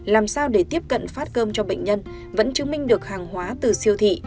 làm sao để tiếp cận phát cơm cho bệnh nhân vẫn chứng minh được hàng hóa từ siêu thị